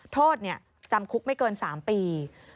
โทษจำคุกไม่เกิน๓ปี